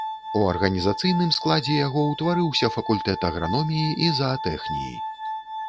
У арганізацыйным складзе яго ўтварыўся факультэт аграноміі і заатэхніі.